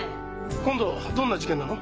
今度はどんな事件なの？